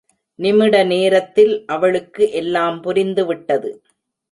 நிமிட நேரத்தில் அவளுக்கு எல்லாம் புரிந்து விட்டது.